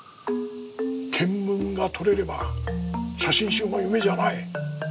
ケンムンが撮れれば写真集も夢じゃない。